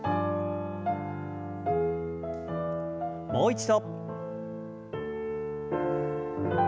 もう一度。